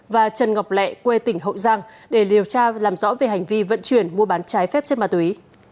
và trần ngọc lẹ quê tỉnh hậu giang để điều tra làm rõ về hành vi vận chuyển mua bán trái phép chất ma túy